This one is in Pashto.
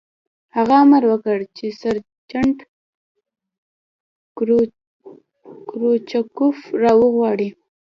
هغه امر وکړ چې سرجنټ کروچکوف را وغواړئ